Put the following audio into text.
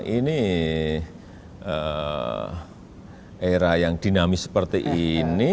ini era yang dinamis seperti ini